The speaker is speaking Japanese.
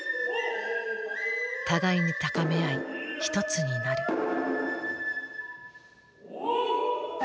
互いに高め合い一つになる。